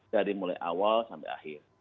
dari mulai awal sampai akhir